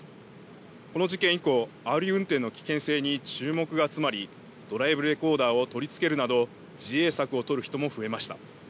この事件以降、あおり運転の危険性に注目が集まりドライブレコーダーを取り付けるなど自衛策を取る人も増えました。